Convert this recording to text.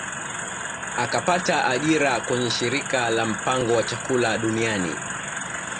Akapata ajira kwenye shirika la mpango wa chakula duniani